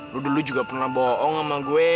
lu dulu juga pernah bohong sama gue